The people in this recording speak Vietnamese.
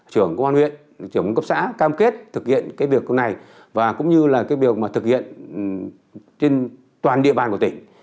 trưởng công an huyện trưởng công cấp xã cam kết thực hiện cái việc này và cũng như là cái việc mà thực hiện trên toàn địa bàn của tỉnh